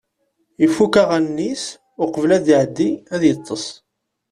Ifukk aɣanen-is uqbel ad iɛeddi ad yeṭṭes.